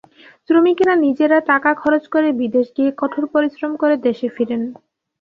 শ্রমিকেরা নিজেরা টাকা খরচ করে বিদেশ গিয়ে কঠোর পরিশ্রম করে দেশে ফেরেন।